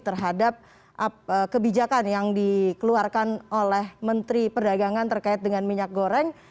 terhadap kebijakan yang dikeluarkan oleh menteri perdagangan terkait dengan minyak goreng